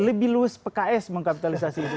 lebih luas pks mengkapitalisasi itu